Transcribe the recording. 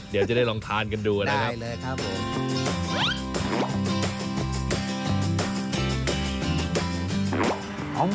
เดี๋ยวจะได้ลองทานกันดูนะครับผม